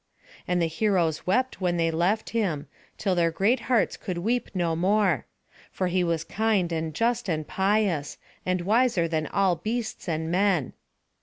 And the heroes wept when they left him, till their great hearts could weep no more; for he was kind and just and pious, and wiser than all beasts and men.